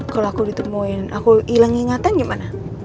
kalau aku ditemuin aku hilang ingatan gimana